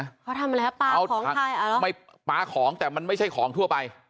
เขาทำอะไรฮะปลาของใครปลาของแต่มันไม่ใช่ของทั่วไป